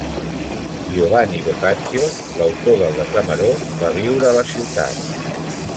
Giovanni Boccaccio, l'autor del Decameró, va viure a la ciutat.